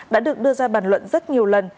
đã được đưa ra bàn luận rất nhiều lần